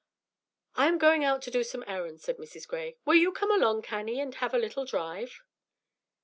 "I am going out to do some errands," said Mrs. Gray; "will you come along, Cannie, and have a little drive?"